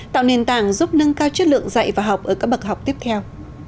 tạo nền tảng giúp nâng cao chất lượng dạy và học ở các bậc học tiếp theo